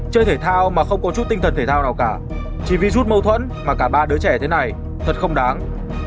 chơi thể thao mà không có chút tinh thần thể thao nào cả chỉ vì rút mâu thuẫn mà cả ba đứa trẻ thế này thật không đáng